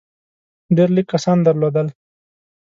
ډېر لږ کسان درلودل.